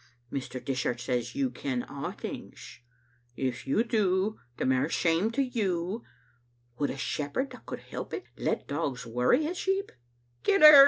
Mr. Dishart says You ken a* things. If You do, the mair shame to You. Would a shepherd, that could help it, let dogs worry his sheep? Kill her!